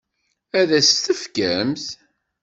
Ad as-t-tefkemt?